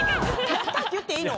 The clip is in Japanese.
やったって言っていいの？